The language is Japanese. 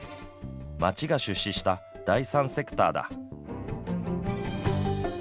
町が出資した第３セクターだ。